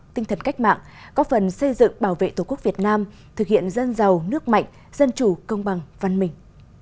tinh thần cách mạng có phần xây dựng bảo vệ tổ quốc việt nam thực hiện dân giàu nước mạnh dân chủ công bằng văn minh